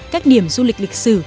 các điểm du lịch lịch sử